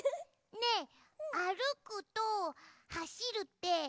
ねえあるくとはしるってどうちがうの？